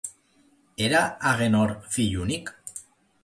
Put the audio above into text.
Era Agènor fill únic?